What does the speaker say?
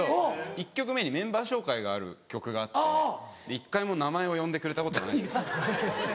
１曲目にメンバー紹介がある曲があって１回も名前を呼んでくれたことがない。